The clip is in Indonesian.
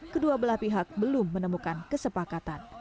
kedua belah pihak belum menemukan kesepakatan